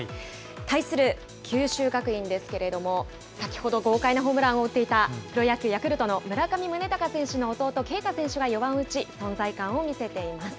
対する九州学院ですけれども、先ほど、豪快なホームランを打っていたプロ野球・ヤクルトの村上宗隆選手の弟、慶太選手が４番を打ち、存在感を見せています。